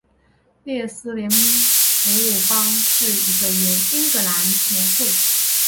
列斯联服务帮是一个由英格兰球会列斯联有关连的球迷所组成的足球流氓组织。